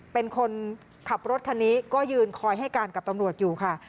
เป็นคนขับรถคันนี้ก็ยืนคอยให้การกับตำรวจอยู่ค่ะ